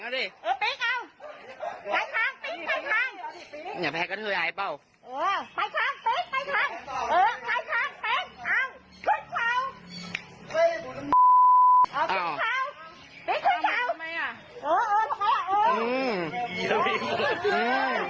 ลวยมันจากไหนอ่ะจบไม้